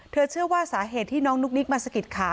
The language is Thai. เชื่อว่าสาเหตุที่น้องนุ๊กนิกมาสะกิดขา